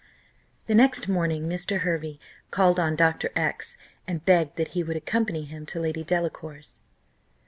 The next morning Mr. Hervey called on Dr. X , and begged that he would accompany him to Lady Delacour's.